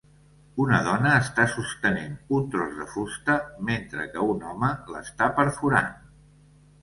una dona està sostenen un tros de fusta mentre que un home l'està perforant.